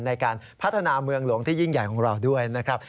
ในการพัฒนาเมืองหลวงที่ยิ่งใหญ่ของเราด้วยนะครับ